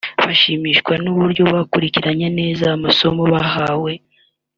bashimishwa n’uburyo bakurikiranye neza amasomo bahawe